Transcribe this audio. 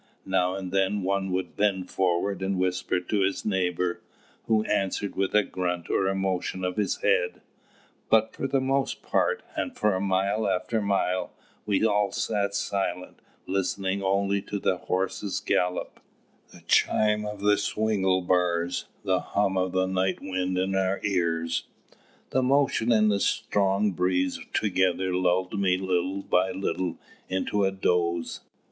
Now and then one would bend forward and whisper to his neighbour, who answered with a grunt or a motion of his head; but for the most part, and for mile after mile, we all sat silent, listening only to the horses' gallop, the chime of the swingle bars, the hum of the night wind in our ears. The motion and the strong breeze together lulled me little by little into a doze.